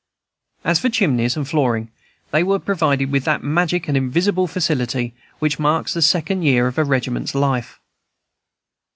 As for chimneys and flooring, they were provided with that magic and invisible facility which marks the second year of a regiment's life.